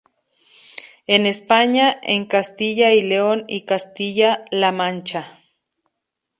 En España en Castilla y León y Castilla la Mancha.